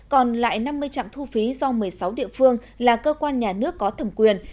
còn lại năm mươi trạm thu phí do một mươi sáu địa phương là cơ quan nhà nước có thẩm quyền